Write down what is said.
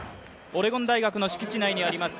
オレゴン大学の敷地内にあります